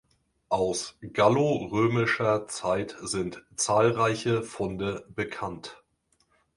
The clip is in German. Aus gallo-römischer Zeit sind zahlreiche Funde bekannt.